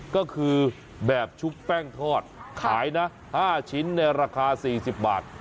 ก็คือแบบชุบแป้งทอดขายนะ๕ชิ้นในราคา๔๐บาท